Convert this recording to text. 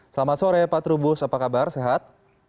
selamat sore pak trubus apa kabar sehat